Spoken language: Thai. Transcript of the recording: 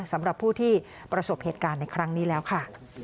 สำหรับผู้ที่ประสบเหตุการณ์ในครั้งนี้แล้วค่ะ